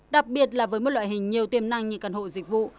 đặc biệt là với một loại hình nhiều tiềm năng như căn hộ dịch vụ